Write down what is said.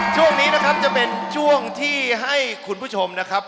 ช่วงนี้นะครับจะเป็นช่วงที่ให้คุณผู้ชมนะครับ